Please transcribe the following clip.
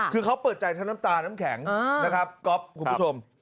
คือเขาเปิดใจทั้งน้ำตาน้ำแข็งนะครับก๊อฟคุณผู้ชม